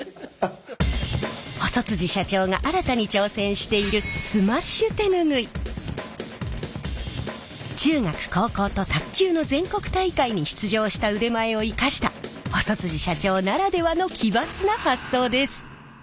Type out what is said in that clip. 細社長が新たに挑戦している中学高校と卓球の全国大会に出場した腕前を生かした細社長ならではの奇抜な発想です！